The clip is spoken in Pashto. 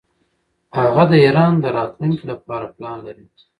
هغه د ایران د راتلونکي لپاره پلان لري.